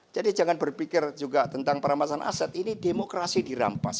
jadi jangan berpikir juga tentang perampasan aset ini demokrasi dirampas